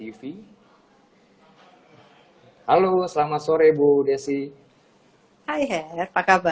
dan lima provinsi dengan angka kesembuhan yang paling atau tertinggi berada di dki jakarta kemudian jawa timur menyusul di peringkat kedua